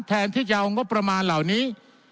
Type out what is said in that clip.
แทนที่จะเอางบประมาณเหล่านี้